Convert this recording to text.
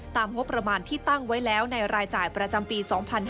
งบประมาณที่ตั้งไว้แล้วในรายจ่ายประจำปี๒๕๕๙